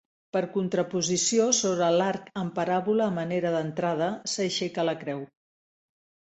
Per contraposició, sobre l'arc en paràbola a manera d'entrada, s'aixeca la creu.